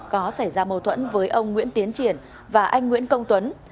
có xảy ra mâu thuẫn với ông nguyễn tiến triển và anh nguyễn công tuấn